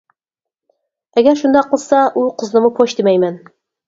ئەگەر شۇنداق قىلسا، ئۇ قىزنىمۇ پوش دېمەيمەن.